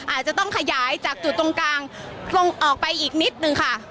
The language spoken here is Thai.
อาจจะต้องขยายจากจุดตรงกลางออกไปอีกนิดนึงค่ะ